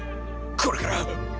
これから。